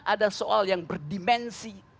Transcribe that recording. ada soal yang berdimensi